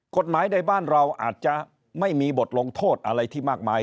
กฎหมายในบ้านเราอาจจะไม่มีบทลงโทษอะไรที่มากมาย